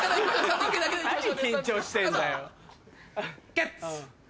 ゲッツ！